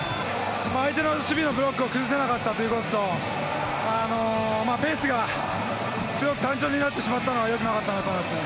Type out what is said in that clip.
相手の守備のブロックを崩せなかったということと、ペースがすごく単調になってしまったのはよくなかったんだと思いますね。